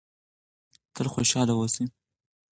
تل خوشحاله اوسئ.